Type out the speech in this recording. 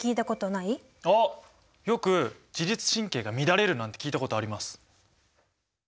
あっよく自律神経が乱れるなんて聞いたことあります。